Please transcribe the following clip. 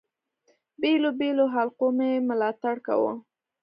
بېلو بېلو حلقو مي ملاتړ کاوه.